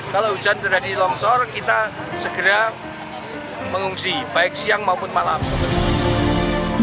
kalau hujan terjadi longsor kita segera mengungsi baik siang maupun malam